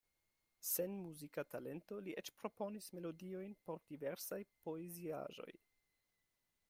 Sen muzika talento li eĉ proponis melodiojn por diversaj poeziaĵoj.